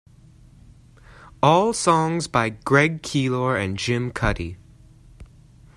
All songs by Greg Keelor and Jim Cuddy.